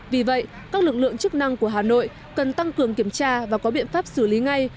vì vậy các lực lượng chức năng của hà nội cần tăng cường kiểm tra và có biện pháp xử lý ngay